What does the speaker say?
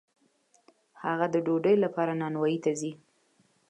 خلک د ډوډۍ لپاره نانواییو ته ځي.